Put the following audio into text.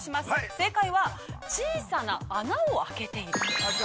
正解は、小さな穴をあけている。